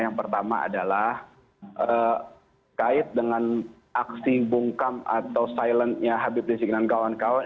yang pertama adalah kait dengan aksi bungkam atau silentnya habib rizik dan kawan kawan